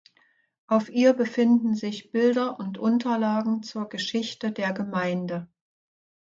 Auf ihr befinden sich Bilder und Unterlagen zur Geschichte der Gemeinde.